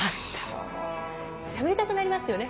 しゃべりたくなりますよね